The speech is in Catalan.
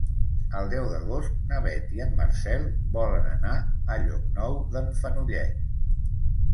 El deu d'agost na Beth i en Marcel volen anar a Llocnou d'en Fenollet.